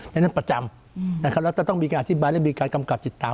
ฉะนั้นประจำนะครับแล้วจะต้องมีการอธิบายและมีการกำกับติดตาม